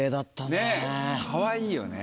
ねぇかわいいよね。